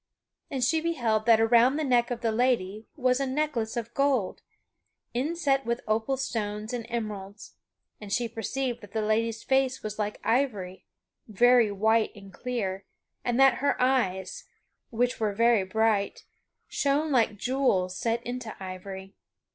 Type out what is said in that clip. And she beheld that around the neck of the lady was a necklace of gold, inset with opal stones and emeralds; and she perceived that the lady's face was like ivory very white and clear and that her eyes, which were very bright, shone like jewels set into ivory.